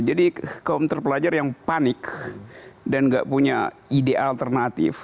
jadi kaum terpelajar yang panik dan nggak punya ide alternatif